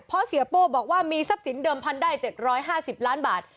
เพราะเสียโป้บอกว่ามีทรัพย์สินเดิมพันธุ์ได้๗๕๐ล้านบาท